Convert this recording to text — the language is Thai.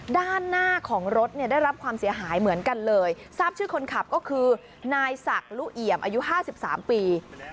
ด้านหน้าของรถได้รับความเสียหายเหมือนกันเลยทราบชื่อคนขับก็คือนายศักดิ์ลูกเหยียมอายุ๕๓ปี